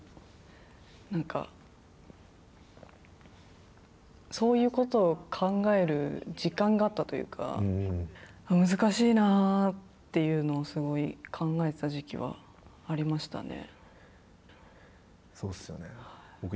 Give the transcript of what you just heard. いや、もう私たちは冬だったのでなおのことなんか、そういうことを考える時間があったというか難しいなっていうのをすごい考えてた時期はありましたね。